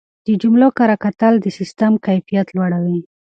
د جملو کره کتل د سیسټم کیفیت لوړوي.